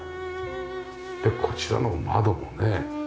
でこちらの窓もね